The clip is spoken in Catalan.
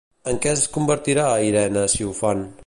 En què es convertirà Irena si ho fan?